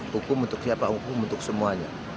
hukum untuk siapa hukum untuk semuanya